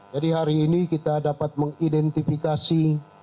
jadi hari ini kita dapat mengidentifikasi